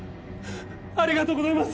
ありがとうございます！